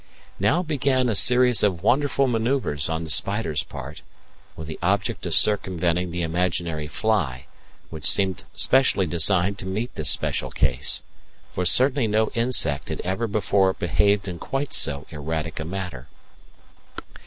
Now began a series of wonderful manoeuvres on the spider's part, with the object of circumventing the imaginary fly, which seemed specially designed to meet this special case; for certainly no insect had ever before behaved in quite so erratic a manner.